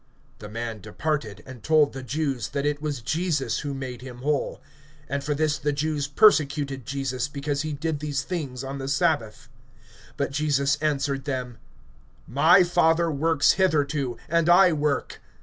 (15)The man departed, and told the Jews that it was Jesus who made him whole. (16)And for this the Jews persecuted Jesus, because he did these things on the sabbath. (17)But Jesus answered them: My Father works hitherto, and I work.